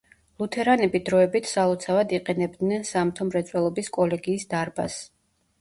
ლუთერანები დროებით სალოცავად იყენებდნენ სამთო მრეწველობის კოლეგიის დარბაზს.